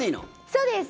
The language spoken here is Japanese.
そうです。